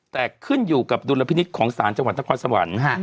แต่ขึ้นอยู่กับดุลพินิษฐ์ของศาลจังหวัดนครสวรรค์